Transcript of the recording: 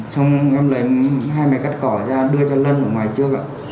xong em lấy hai mẹ cắt cỏ ra đưa cho lân ở ngoài trước ạ